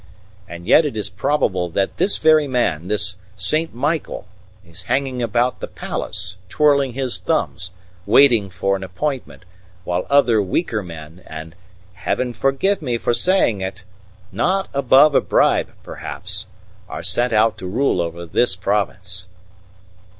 And yet it is probable that this very man this St. Michael is hanging about the palace, twirling his thumbs, waiting for an appointment, while other weaker men, and Heaven forgive me for saying it not above a bribe, perhaps, are sent out to rule over this province."